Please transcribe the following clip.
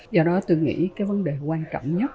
do đó tôi nghĩ cái vấn đề quan trọng nhất